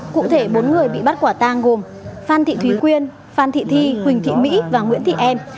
cụ thể bốn người bị bắt quả tang gồm phan thị thúy quyên phan thị thi huỳnh thị mỹ và nguyễn thị em